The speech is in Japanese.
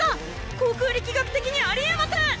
航空力学的にありえません！